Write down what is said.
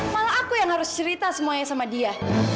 malah aku yang harus cerita semuanya sama dia